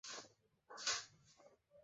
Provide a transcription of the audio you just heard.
তবে শীর্ষস্থানটি রয়েছে চীনের দখলে।